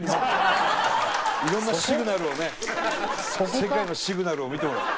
世界のシグナルを見てもらおう。